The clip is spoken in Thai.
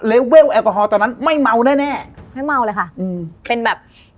เวลแอลกอฮอลตอนนั้นไม่เมาแน่แน่ไม่เมาเลยค่ะอืมเป็นแบบ